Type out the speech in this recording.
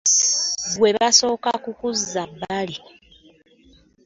Ggwe basooka kukuzza bbali.